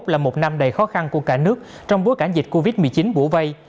thứ hai mươi một là một năm đầy khó khăn của cả nước trong bối cản dịch covid một mươi chín bủ vây